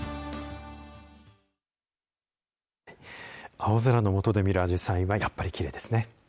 青空の下で見るアジサイはやっぱりきれいですね。